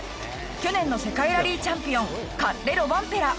去年の世界ラリーチャンピオンカッレ・ロバンペラ。